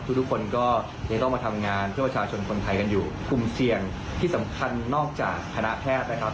ทุกคนก็ยังต้องมาทำงานเพื่อประชาชนคนไทยกันอยู่กลุ่มเสี่ยงที่สำคัญนอกจากคณะแพทย์นะครับ